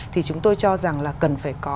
thì chúng tôi cho rằng là cần phải có